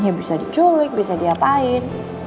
ya bisa diculik bisa diapain